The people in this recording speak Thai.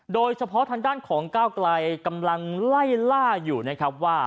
โดยเฉพาะทางด้านของก้าวไกลกำลังไล่ล่าอยู่นะครับว่า